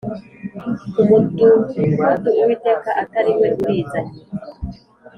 umudugudu Uwiteka atari we ubizanye